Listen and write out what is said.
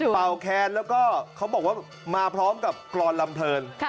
ป่าวแคลและมาพร้อมกับกรรลำเผิน